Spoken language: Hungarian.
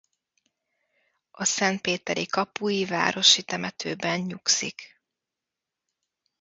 A Szentpéteri kapui városi temetőben nyugszik.